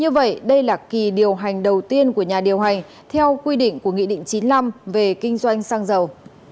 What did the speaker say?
như vậy đây là kỳ điều hành đầu tiên của nhà điều hành theo quy định của nghị định chín mươi năm về kinh doanh xăng dầu